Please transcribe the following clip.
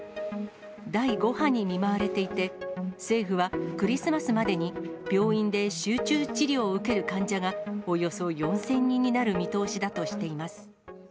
第５波に見舞われていて、政府はクリスマスまでに病院で集中治療を受ける患者が、およそ４０００人になる見通しだとしています。